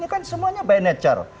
ini kan semuanya by nature